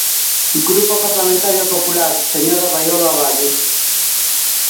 Grupo Parlamentario Popular, señora Baiolo Abade.